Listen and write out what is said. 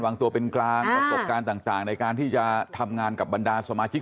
วางตัวเป็นกลางประสบการณ์ต่างในการที่จะทำงานกับบรรดาสมาชิก